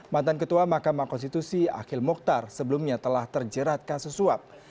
mantan ketua mahkamah konstitusi akil mukhtar sebelumnya telah terjerat kasus suap